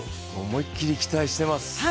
思い切り期待してます。